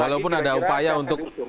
walaupun ada upaya untuk